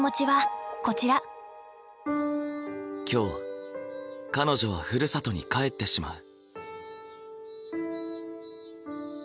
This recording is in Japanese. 今日彼女はふるさとに帰ってしまう。